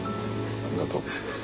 ありがとうございます。